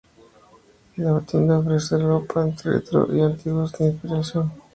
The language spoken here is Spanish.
La tienda ofrece ropa retro y antiguas de inspiración.